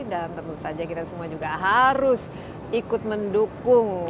dan tentu saja kita semua juga harus ikut mendukung